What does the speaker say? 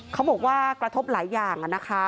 เขาบอกว่ากระทบหลายอย่างนะคะ